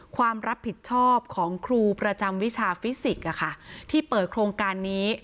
ความรับผิดชอบของครูประจำวิชาฟิสิกส์ที่เปิดโครงการนี้